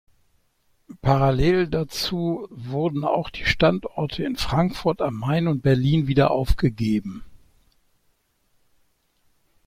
Parallel dazu wurden auch die Standorte in Frankfurt am Main und Berlin wieder aufgegeben.